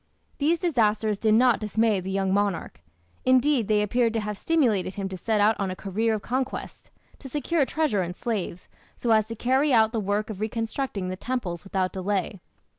These disasters did not dismay the young monarch. Indeed, they appear to have stimulated him to set out on a career of conquest, to secure treasure and slaves, so as to carry out the work of reconstructing the temples without delay.